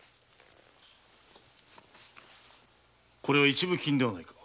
これは一分金ではないか？